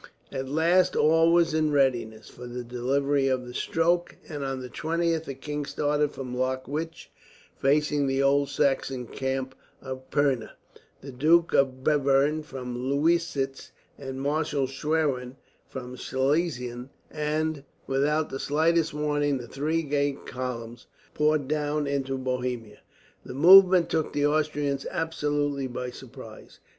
At last all was in readiness for the delivery of the stroke, and on the 20th the king started from Lockwitch, facing the old Saxon camp at Pirna; the Duke of Bevern from Lousitz; and Marshal Schwerin from Schlesien; and without the slightest warning, the three great columns poured down into Bohemia. The movement took the Austrians absolutely by surprise.